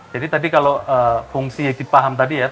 jadi tadi kalau fungsi yang dipaham tadi ya